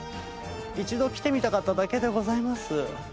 一度来てみたかっただけでございます。